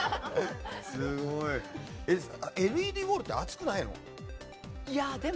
ＬＥＤウォールって暑くないの？